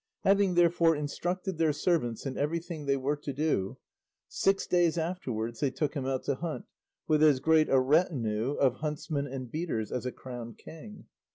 Having, therefore, instructed their servants in everything they were to do, six days afterwards they took him out to hunt, with as great a retinue of huntsmen and beaters as a crowned king.